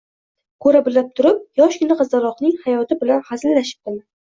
Ko`ra-bila turib, yoshgina qizaloqning hayoti bilan hazillashibdimi